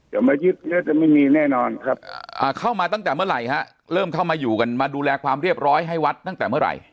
ยึดแล้วจะไม่มีแน่นอนครับเข้ามาตั้งแต่เมื่อไหร่ฮะเริ่มเข้ามาอยู่กันมาดูแลความเรียบร้อยให้วัดตั้งแต่เมื่อไหร่